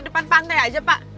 depan pantai aja pak